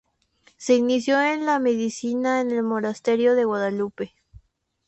Se inició en la medicina en el monasterio de Guadalupe.